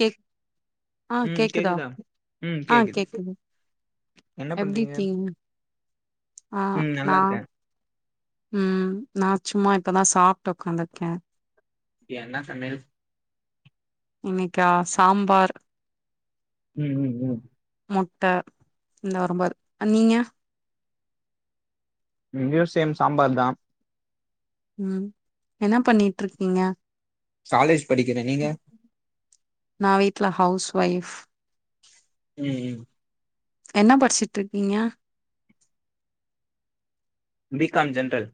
Cake ஆஹ் கேக்குதா ஆஹ் கேக்குது என்ன எப்டி பண்றீங்க இருக்கீங்க ஆஹ் ம் நல்லா நா இருக்கேன் ம் நா சும்மா இப்பதா சாப்ட்டு உக்காந்துர்க்க என்ன சமையல் இன்னைக்கா சாம்பார் ம் ம் ம் முட்ட இந்த வரும்பது அ நீங்க மியூசியம் சாம்பார் தா ம் என்ன பண்ணிட்ருக்கீங்க காலேஜ் படிக்கிற நீங்க நா வீட்ல ஹொளஸ் வைஃப் ம் ம் என்ன படிச்சுட்ருக்கீங்க பி காம் ஜென்ரல்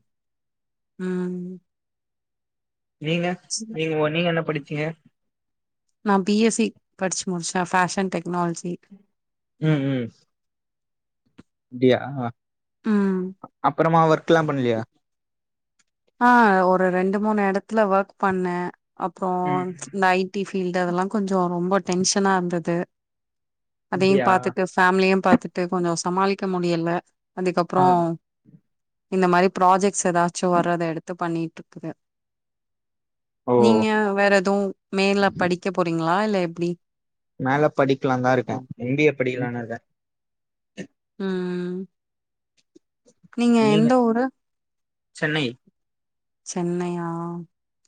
ம் நீங்க சின்ன நீங்க ஒ நீங்கென்ன படிச்சீங்க நான் பி எஸ் சி படிச்சு முடிச்ச ஃபேஷன் டெக்னாலஜி ம் ம் அப்டியா அ ம் அப்றமா ஒர்க்லா பண்லயா ஆஹ் ஒரு ரெண்டு மூணு எடத்துல வர்க் பண்ண அப்றோ ம் இந்த ஐ டி ஃபீல்டு அதெல்லாங் கொஞ்சோ ரொம்ப டென்ஷனா இருந்துது அதையும் அப்டியா பாத்துட்டு ஃபேமிலியையு பாத்துட்டு கொஞ்சோ சமாளிக்க முடியல ஆ அதுக்கப்றோ இந்த மாரி ப்ராஜெக்ட்ஸ் எதாச்சு வ ர்றத எடுத்து பண்ணிட்ருக்குது ஓ நீங்க வேறெது மேல படிக்க போறீங்களா இல்ல எப்டி மேல படிக்லான்தா இருக்க எம் பி ஏ படிக்லானிருக்க ம் நீங்க எந்த ஊரு சென்னை சென்னையா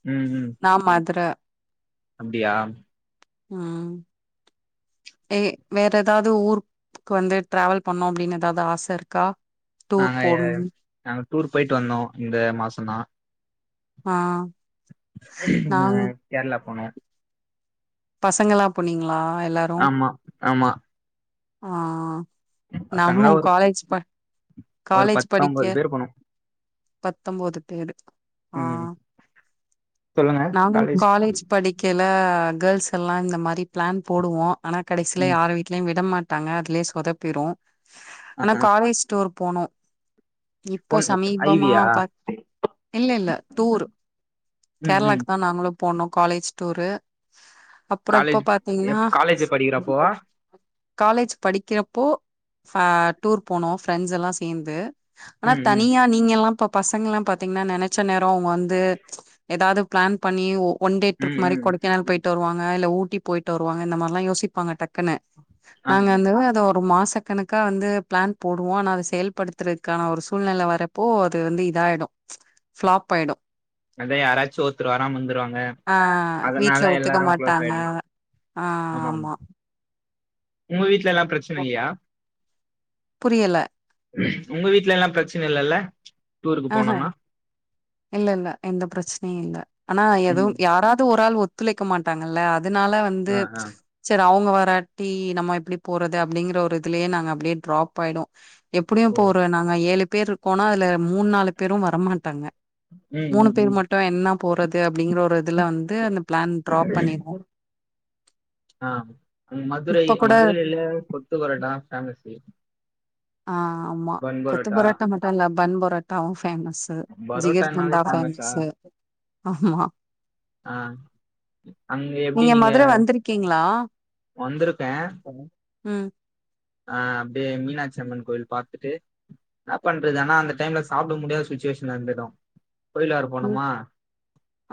ம் ம் நா மதுர அப்டியா ம் ஏ வேற எதாவது ஊர் க்கு வந்து டிராவல் பண்ணோ அப்டின்னு எதாவது ஆச இருக்கா டூர் நாங்க எ போணுனு நாங்க டூர் போய்ட்டு வந்தோ இந்த மாசந்தா ஆஹ் ஹ்ம் கேரளா போனோ பசங்கல்லா போனீங்களா எல்லார் ஆமா ஆமா ஆஹ் நானு பசங்களா ஒரு காலேஜ் ப ஒரு காலேஜ் படிக்க பத்தொன்பது பேர் போனோ பத்தொம்போது பேரு ம் ஆஹ் நானு காலேஜ் படி கேல கேல்ர்ஸ் எல்லா இந்த மாரி பிளான் போடுவோ ஆனா கடசில ம் யாரு வீட் ட்லயு விட மாட்டாங்க அதுல்யே சொதப்பிரு அ ஆனா அ காலேஜ் டூர் போனோ இப்போ பொன் சமீபமா ஐவியா ப இல்ல இல்ல டூர் ம் ம் கேரளாக்கு தா நாங்களு போனோ காலேஜ் டூரு அப்பறிப்ப காலேஜ் பாத்தீங்கன்னா எப் காலேஜ் படிக்கிறப்போவா காலேஜ் படிக்கிறப்போ ஃப டூர் போனோ ஃப்ரெண்ட்ஸெல்லா சேந்து ஆனா ம் ம் தனியா நீங்க எல்லா இப்ப பசங்கெல்லா பாத்தீங்கன்னா நெனச்ச நேரோ அவுங் வந்து எதாவது பிளான் பன்னி ஒன் டே ம் ட்ரிப் மாரி ம் கொடக்கேனல் போய்ட் ட்டு வருவாங்க இல்ல ஊட்டி போய்ட்டு வருவாங்க இந்த மாரில்லா யோசிப்பாங்க டக்குனு ஆ நாங்க வந்து அத ஒரு மாச கணக்கா வந்து பிளான் போடுவோ ஆனா அத செயல்படுத் த்தருக்கான ஒரு சூழ்நெல வரப்போ அது வந்து இதாயிடு ஃபிளாப் ஆயிடு அதா யாராச்சு ஒருத்ரு வாராம இருந்துருவாங்க ஆஹ் அதனால வீட்ல ஒத்துக்க எல்லாரு க்ளோஸ் மாட்டாங்க ஆயிடு ஆஹ் ஆமா உங்க வீட்ல எல்லாம் ப்ரெச் புரியல உங்க வீட்ல எல்லா ப்ரெச்சன இல்லல்ல டூருக்கு ஆஹ போனோனா இல்ல இல்ல எந்த ப்ரெச்சனயு இல்ல ஆனா ம் எதுவும் யாராவது ஒராள் ஒத் துளைக்க மாட்டாங்கல்ல அதுனால வந்து ஆ ஆ செர அவுங்க வாரட்டி நம்ம எப்டி போறது அப்டிங்கற ஒரு இதுலயே நாங்க அப்டியே ட்ராப் ஆயிடு எப்டியும் ஓ போர நாங்க ஏழு பேர் இருக்கோனா அதுல மூணா நாலு பேரு வரமாட்டாங்க ம் மூணு ம் பேரு ம் மட்டு என்ன போறது அப்டிங்குற ஒரு இதுல வந்து அந்த ப்ளான் டிராப் பண்ணிருவோ ஆஹ் மதுரை இப்ப கூட மதுரைல கொத்து பொரோட்டா ஃபேமஸு ஆஹ் ஆமா கொத்து பரோட்டா மட்டு இல்ல பன் பொரோட்டாவு ஃபேமஸ் ஜீகிர் பரோட்டானாலே தண்டா ஃபேமஸா ஃபேமசு ஆமா ஆ அங்க எப்டி நீங்க மதுர வந்திருக்கீங்களா? வந்துருக்கே ம் ஆஹ் அப்டியே மீனாட்சி அம்மன் கோயில் பாத்துட்டு என்ன பண்றது ஆனா அந்த டைம்ல சாப்ட முடியாத சுச்சுவேஷன் வந்துடு கோயிலறு ம். போனுமா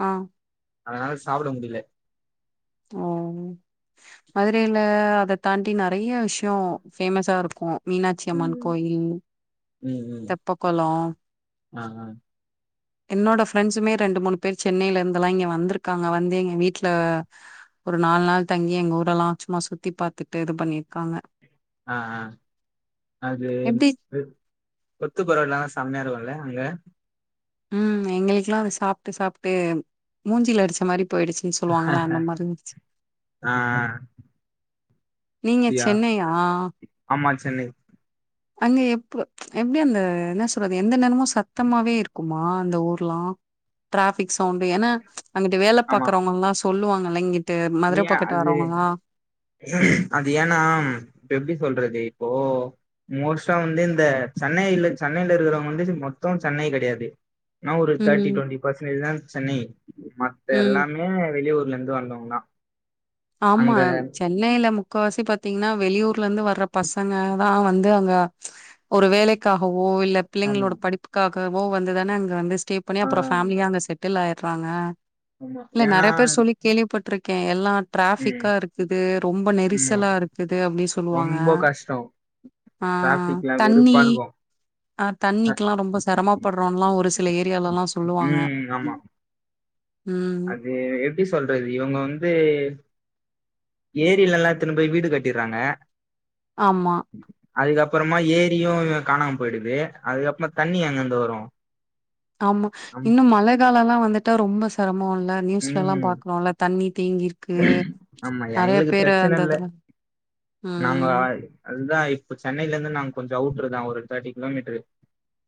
ஆ அதனால சாப்ட முடில ஓ மதுரைல அத தாண்டி நறைய விஷ்யோ பேஃபேமஸா இருக்கு மீனாட்சி அம்மன் ம் கோயில் ம் ம். தப்பக்கொளோ ஆ ஆ என்னோட ஃப்ரெண்ட்சுமே ரெண்டு மூணு பேர் சென்னைலிருந்தல்லா இங்க வந்திருக்காங்க வந்து எங்க வீட்ல ஒரு நாலு நாள் தங்கி எங்க ஊரல்லா சச்சும்மா சுத்தி பாத்துட்டு இது பண்ணிருக்காங்க ஆஹ் ஆஹ் அது எப்டி கொத்து பரோட்டா சம்மையா இருக்குல அங்க ம் எங்களுக்லா அது சாப்ட்டு சாப்ட்டு மூஞ்சில அடிச்ச மாரி போயிடுச் அப்டி சொல்லுவாங்கல்ல அந்த மாரி இருந்ச்சு ஆ நீங்க அப்டியா சென்னையா ஆமா சென்னை அங்க எப்போ எப்டி அந்த என்ன சொல்றது எந்த நேரமும் சத்தமாவே இருக்குமா அந்த ஊர்லா ட்ராஃபிக் சவுண்டு ஏன்னா அங்குட்டு வேல ஆமா பாக்குறவங்கல்லா சொல்லுவாங்கல்ல இங்குட்டு மதுர ஏ பக்கட்டு அது வர்றவங்கல்லா அது ஏன்னா இப்ப எப்டி சொல்றது இப்போ மோஸ்ட்டா வந்து இந்த சென்னையில சென்னையில இருக்கறவங்க வந்து மொத்த சென்னை கெடையாது என்ன ஒரு தேர்ட்டி ம் டுவெண்டி பர்சன்டேஜு தா சென்னை மத்த ம் எல்லாமே வெளியூர்லேருந்து வந்தவங்கதா ஆமா சென் னையில முக்கவாசி பாத்தீங்கன்னா வெளியூர்லேருந்து வர்ற பசங்க தா வந்து அங்க ஒரு வேலைக்காகவோ இல்ல ஆமா பிள்ளைங்களோட படிப்புக்காகவோ வந்து தானே அங்க வந்து ஸ்டே பண்ணி ஆ அப்புற ஃபேமலியா அங்க செட்டில் ஆயிட்றாங்க ஆமா இல்ல ஏன்னா நெறைய பேர் சொல்லி கேள்விப்பட்டிருக்கே எல்லா ம் டிராஃபிக்கா இருக்குது ரொம்ப ஆமா நெரிசலா இருக்குது அப்டி சொல்லுவாங்க ரொம்ப கஷ்டோ ஆ டிராபிக்லா தண்ணி வெறுப்பா இருக்கு ஆ தண்ணிக்கெல்லா ரொம்ப செரமப்பட்றோல்லா ஒரு சில ஏரியாலல்லா சொல்லுவாங்க ம் ம் எ எப்டி சொல்றது இவுங்க வந்து ஏரிலல்லா எத்துன்னு போய் வீடு கட்டிர்றாங்க ஆமா அதுக்கப்புறமா ஏரியு காணாம போயிடுது அதுக்கப்புறமா தண்ணி எங்கேருந்து வரு ஆமா நம் இன்னு மழ காலல்லா வந்துட்டா ரொம்ப செரம இல்ல நியூஸ்ல எல்லா ம் பாக்குறோல்ல தண்ணி தேங்கிருக்கு ஆமா நெறைய எங்களுக்கு பேரு பிரச்சன அந்த இல்ல இதுல நாங்க ம் அதுதா இப்ப சென்னையிலேருந்து நாங்க கொஞ்ச அவுட்ருதா ஒரு தேர்ட்டி கிலோமீட்டரு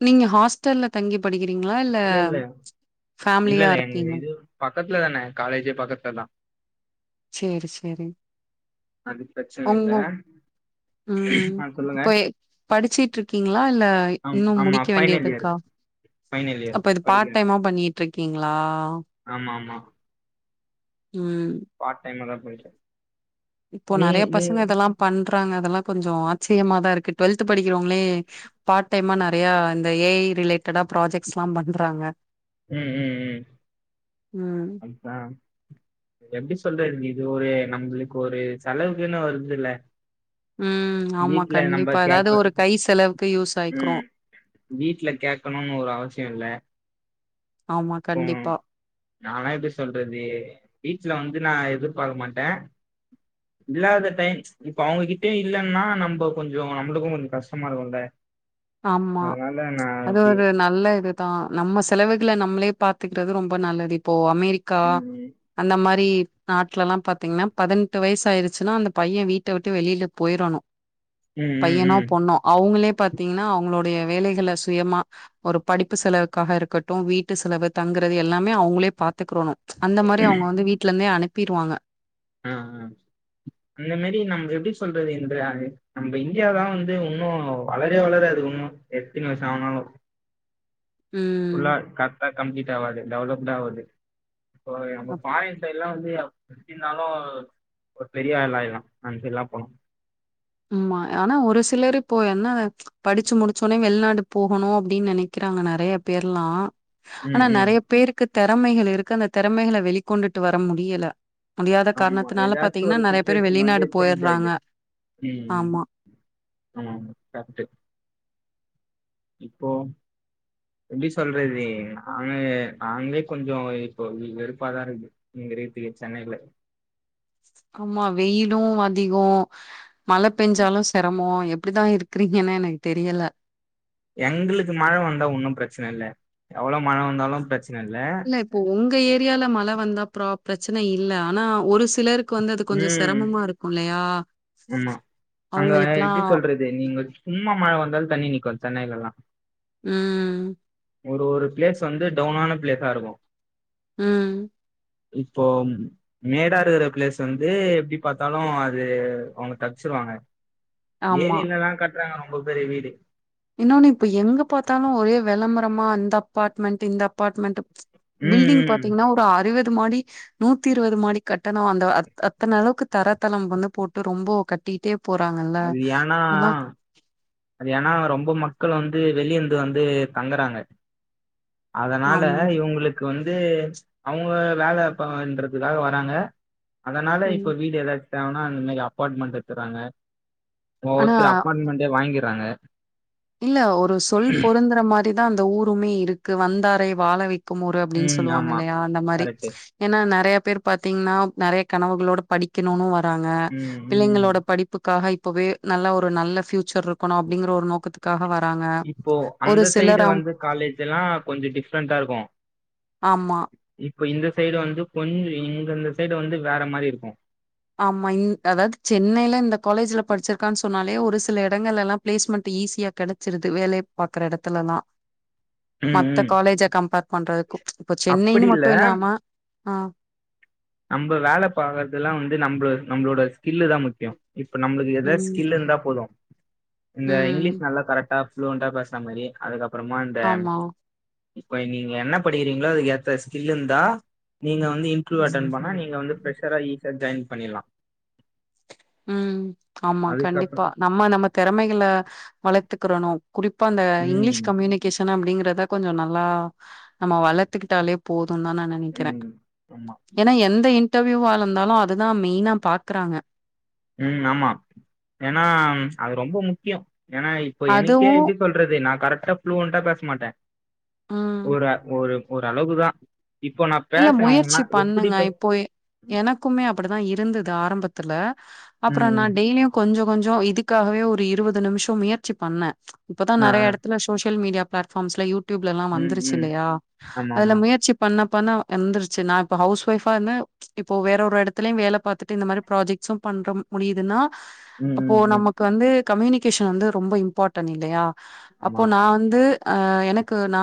நீங்க ஹாஸ்டல்ல தங்கி படிக்கிறீங்களா இல்ல இல்ல ஃபேமிலியா இல்ல எங்க இருக்கீங்க இது பக்கத்துல தான காலேஜே பக்கத்துல தா சேரி சேரி அது பிரச்சன இல்ல ஒங்க ம் ஆ சொல்லுங்க இப்ப எ படிச்சுட்டு இருக்கீங்களா இல்ல ஆ இன்னு ஆமா முடிக்க ஃபைனல் இயர் வேண்டியதுருக்கா ஃபைனல் இயர் அப்போ இது படிக்கிறேன் பார்ட்டைமா பண்ணிட்ருக்கீங்களா ஆமா ஆமா ம் பார்ட் டைமா தா பண்ணிட்ருக்க இப்போ நெறைய பசங்க இதெல்லா பண்றாங்க அதெல்லா கொஞ்ச ஆச்சரியமாாதா இருக்கு டுவெல்த்து படிக்கிறவங்களே பார்ட் டைமா நெறையா இந்த ஏ ஐ ரிலேட்டடா ப்ராஜெக்ட்ஸ்லா பண்றாங்க ம் ம் ம் ம் அதா எப்டி சொல்றது இது ஒரு நரம்புகளுக்கு ஒரு செலவுக்குன்னு வருதுல்ல ம் ஆமா கண்டிப்பா ஏதாவது கேட்க ஒரு கை செலவுக்கு யூஸ் ஆயிக்கு ம் வீட்ல கேக்கணுன்னு ஒரு அவசிய இல்ல ஆமா கண்டிப்பா நால்லா எப்டி சொல்றது வீட்ல வந்து நா எதிர்பாக்க மாட்ட இல்லாத டைம் இப்போ அவுங்ககிட்டயு இல்லன்னா நம்போ கொஞ்சோ நம்புளுக்கு கொஞ்ச கஷ்டமா இருக்கும்ல ஆமா அதனால நான் அது அப்டி ஒரு நா நல்ல இதுதா நம்ம செலவுகள நம்மளே பாத்துக்கிறது ரொம்ப நல்லது இப்போ அமெரிக்கா ம் அந்த மாரி நாட்ல எல்லா பாத்தீங்கன்னா பதினெட்டு வயசு ஆயிருச்சுன்னா அந்த பையன் வீட்ட விட்டு வெளியில போயிரணு ம் ம் பையனோ ம் பொண்ணோ அவங்களே பாத்தீங்கன்னா அவங்களுடைய வேலைகள சுயமா ஒரு படிப்பு செலவுக்காக இருக்கட்டும் வீட்டு செலவு தங்கறது எல்லாமே அவங்களே பாத்துக்கிறோணு அந்த மாரி அவ்ங்க வந்து வீட்டுல இருந்தே அனுப்பிருவாங்க ஆ அந்த மாரி நம் எப்டி சொல்றது இந்திரா அது நம்ம இந்தியாதா வந்து உன்னு வளரவே வளராது உன்னு எத்தினி வருஷ ஆனாலு ம் ஃபுல்லா காரக்டா கம்ப்ளீட் ஆவாது டெவலப்டு ஆவாது இப்போ நம்ம அப் ஃபாரின் அந்த சைல்லா வந்து புடிச்சி இருந்தாலு ஒரு பெரிய வேலையல்லா அந்த சைடெல்ல போணு ம்மா ஆனா ஒரு சிலரு என்ன படிச்சு முடிச்சோடனே வெளிநாடு போகணு அப்டின்னு நெனைக்கிறாங்க நெறைய பேர் எல்லா ம் ஆனா ம் நெறைய பேருக்கு தெறமைகள் இருக்கு அந்த தெறமைகளை வெளிக்கொண்டுட்டு வர முடியல முடியாத ஆமா காரணத்தினால ஏதாச்சு பாத்தீங்கன்னா ஒரு நெறைய பேரு சுச்சுவேஷன் வந்து வெளிநாடு சேஞ்ச் போயிறாங்க ஆயிடுது ம் ஆமாம் கரெட்டு இப்போ எப்டி சொல்றது அவங்க நாங்களே கொஞ்சோ இப்போ வெறுப்பாதா இருக்கு இங்க இருக்றதுக்கு சென்னைல ஆமா வெயிலு அதிகோ மழை பெஞ்சாலு சிரமோ எப்டிதா இருக்கறீங்கன்னே எனக்குத் தெரியல எங்களுக்கு மழை வந்தா ஒன்னு பிரச்சனை இல்ல எவ்ளோ மழை வந்தாலு பிரச்சனை இல்ல இப்ப உங்க ஏரியால மழை வந்தா ப்ராப் பிரச்சனை இல்ல ஆனா ஒரு சிலரு க்கு வந்து அது கொஞ்சோ ம் சிரமமா இருக்கு இல்லையா அவ்ங்களுக்கல்லா இதே நீங்க சும்மா மழை வந்தாலு தண்ணி நிக்கு சென்னைல எல்லா ம் ஒரு ஒரு பிளேஸ் வந்து டவுனான பிளேஸா இருக்கு ம் இப்போ மேடா இருக்கற பிளேஸ் வந்து எப்டி பாத் தாலு அது அவங்க தப்ச்சிருவாங்க ஆமா ஏரிலெல்லா கட்டுறாங்க ரொம்ப பெரிய வீடு இன்னொன்னு இப்ப எங்க பாத்தாலு ஒரே வெளம்பரமா அந்த அப்பாட்மெண்ட்டு இந்த அப்பாட்மெண்ட்டு ம் பில்டிங் ம் பாத்தீங்கன்னா ஒரு அறுவது மாடி நூத்தி இருவது மாடி கட்டணோ அந்த அத் அத்தன அளவுக்கு தரத்தளம் வந்து போட்டு ரொம்போ கட்டிட்டே போறாங்கல்ல அது ஏனா ஆனா அது ஏன்னா ரொம்ப மக்கள் வந்து வெளிய இருந்து வந்து தங்கறாங்க அதனால ஆமா இவங்களுக்கு வந்து அவங்க வேல பண்றதுக்காக வராங்க அதனால இப்போ ம் வீடு எதாச்சு தேவன்னா அந்த மாறி அப்பாட்மண்ட் எடுத்தறாங்க ஒவ்வொருத்தரு ஆனா அப்பார்மெண்டே வாங்கிறாங்க இல்ல ஒரு சொல் பொருந்தற மாறிதா அந்த ஊருமே இருக்கு வந்தாரை வாழவை குமூரு அப்டின்னு ம் சொல்லுவாங்க ஆமா இல்லையா அந்த மாறி கரெக்ட்டு ஏன்னா நெறைய பேரு பாத்தீங்கன்னா நெறைய கனவுகளோட படிக்கணுன்னு வராங்க ம் ம் பிள்ளைங்களோட படிப் புக்காக இப்பவே நல்ல ஒரு நல்ல பியூச்சர் இருக்கணு அப்டிங்கிற ஒரு நோக்கத்து க்காக வராங்க இப்போ ஒரு அந்த சைடு சிலர் அவங் வந்து காலேஜ் எல்லா கொஞ்சோ டிஃப்ரெண்டா இருக்கு ஆமா இப்ப இந்த சைடு வந்து கொஞ் இங்க இந்த சைடு வந்து வேற மாறி இருக்கு ஆமா இந் அதாவது சென்னைல இந்த காலேஜ்ல படிச்சிருக்கான்னு சொன்னாலே ஒரு சில இடங்கள்ல எல்லா பிளேஸ்மெண்ட் ஈஸியா கிடைச்சிருது வேலைய பாக்கற எடத்துல எல்லா ம் மத்த ம் காலேஜ கம்பேர் பண்றதுக்கு இப்ப அப்படி சென்னைன்னு இல்ல மட்டு இல்லாம அ நம்ப வேல பாக்றதெல்லா வந்து நம்மள நம்மளோட ஸ்கில்லு தா முக்கியோ இப்ப நம்ளுக்கு ஏதாச்சு ம் ஸ்கில்லு போது இந்த ம் இங்கிலீஷ் நல்லா கரெக்ட் ஆ ஃப்ளூய்ண்டா பேசற மாரி அதுக்கப்பறமா இந்த ஆமா இப்ப நீங்க என்ன படிக்கிறீங்களோ அதுக்கு ஏத்த ஸ்கில்லு இருந்தா நீங்க வந்து இன் ம் ஆனா நீங்க வந்து ஃபிரெஷ்ஷரா ஈஸியா ஜாயின் பண்ணிட்லா ம் ஆமா அதுக்கப்புற கண்டிப்பா நம்ம நம்ம திறமைகள வளர்த்துக்கிறணு குறிப்பா இந்த இங்கிலீஷ் ம் கம்யூனி கேஷன் அப்டிங்கிறத கொஞ்ச நல்லா நம்ம வளத்துக்கிட்டாலே போதுன்தா நா நென க்கிற ம் ஆமா ஏன்னா எந்த இன்டர்வியூவா இருந்தாலு அதுதா மெயினா பாக்குறாங்க ம் ஆமா ஏன்னா அது ரொம்ப முக்கியம் ஏன்னா இப்ப எனக்கே அதுவு எப்டி சொல்றது நா கரெக்டா ஃப்ளுயண்டா பேச மாட்ட ம் ஒரு ஒரு ஒரளவுக்குதா இப்போ நா இல்ல பேச முயற்சி அவங்கன்னா எப்டி பண்ணுங்க பே இப்போயே ம் எனக்குமே அப்டிதா இருந்தது ஆரம்பத்துல அப்புற நா ம் டெய்லியு கொஞ்சோ கொஞ்சோ இதுக்காகவே ஒரு இருவது நிமிஷ முயற்சி பண்ண இப்பதா ஆ நறைய ஆ எடத்துல சோசியல் மீடியா பிளாட்ஃபார்ம்ஸ்ல யூடியூப்லலா எல்லா ம் வந்துருச்சி ம் இல்லையா ஆமா அதுல ஆமா முயற்சிப் பண்ண பண்ண எந்திருச்சி நா இப்ப ஹவுஸ் ஒய்ஃப்பான்னு இப்போ வேற ஒரு எடத்துலயு வேல பாத்துட்டு இந்த மாரி ப்ராஜெக்ட்ஸும் பண்ற முடியுதுன்னா ம் அப்போ ம் ம் நமக்கு வந்து கம்யூனிகேஷன் வந்து ரொம்ப இம்பாட் டென் இல்லையா அப்போ ஆமா நா வந்து ஆ எனக்கு நா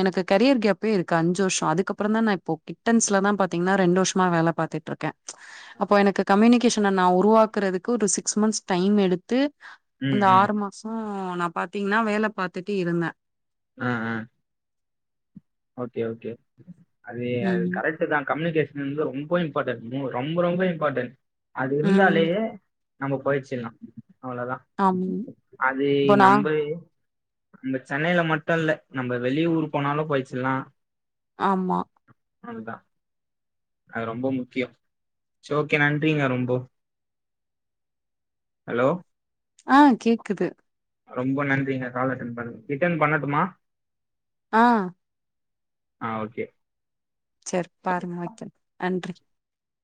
எனக்கு கரியர் கேப்பே இருக்கு அஞ்சி வர்ஷ அதுக்கப்புற தா நா இப்போ கிட்டன்ஸ்லதா பாத்தீங்கனா ரெண்டு வருஷமா வேல பாத்துட்டு இருக்க அப்போ எனக்கு கம்யூனிகேஷ் ன நா உருவாக்குறதுக்கு ஒரு சிக்ஸ் மந்த்ஸ் டைம் எடுத்து ம் அந்த ம் ஆறு மா சோ நா பாத்தீங்கனா வேல பாத்துட்டு இருந்த ஆ ஆ ஓகே ஓகே அதே அது ம். கரெட் ட்டுதா கம்யூனிகேஷன் வந்து ரொம்ப இம்பார்ட்டன்‌ ரொம்ப ரொம்ப இம்பார்ட்டன் அது இருந்தாலே ம். நம்ம பொழச்சில்லா அவ்ளதா ஆமா. அது இப்போ நான் நம்பே நம்ப சென்னைல மட்டு இல்ல நம்ப வெளிய ஊர் போனாலு பொழச்சில்லா ஆமா அதுதா அது ரொம்போ முக்கியோ சோ ஓகே நன்றிங்க ரொம்போ ஹலோ ஆ கேக்குது ரொம்ப நன்றிங்க கால் அட்டன் பண்ணதுக்கு ரிட்டன் பண்ணட்டுமா ஆ ஆ ஓகே செர் பாருங்க வக்கிற நன்றி